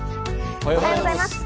おはようございます。